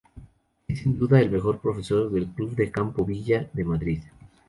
Es sin duda el mejor profesor del Club de Campo Villa de Madrid.